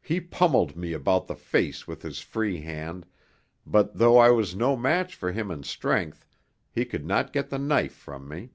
He pummelled me about the face with his free hand, but though I was no match for him in strength, he could not get the knife from me.